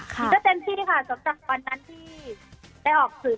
ก็เต็มที่ค่ะสำหรับวันนั้นที่ได้ออกสื่อ